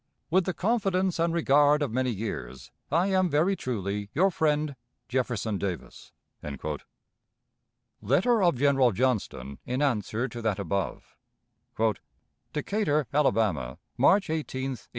With the confidence and regard of many years, I am very truly your friend, "JEFFERSON DAVIS." Letter of General Johnston in answer to that above. "DECATUR, ALABAMA, _March 18, 1862.